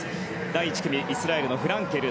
第１組イスラエルのフランケル。